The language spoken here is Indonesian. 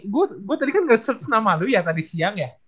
gue gue tadi kan nge search nama lo ya tadi siang ya